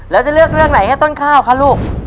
แล้วจะเลือกเรื่องไหนให้ต้นข้าวคะลูก